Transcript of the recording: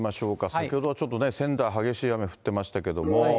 先ほどちょっとね、仙台、激しい雨降ってましたけれども。